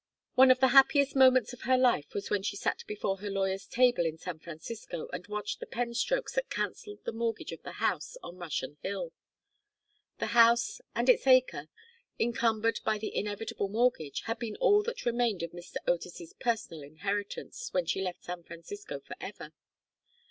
One of the happiest moments of her life was when she sat before her lawyer's table in San Francisco and watched the pen strokes that cancelled the mortgage of the house on Russian Hill. The house and its acre, encumbered by the inevitable mortgage, had been all that remained of Mrs. Otis's personal inheritance when she left San Francisco for ever.